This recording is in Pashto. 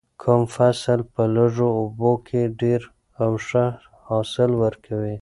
کوم فصل په لږو اوبو کې ډیر او ښه حاصل ورکوي؟